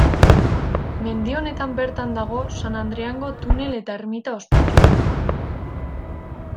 Mendi honetan bertan dago San Adriango tunel eta ermita ospetsua.